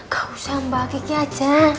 gak usah mbak kiki aja